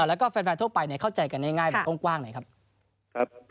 แล้วก็แฟนทั่วไปข้อใจกันง่ายหรือกล้องกว้างหน่อยครับ